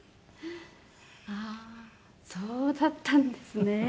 ああそうだったんですね。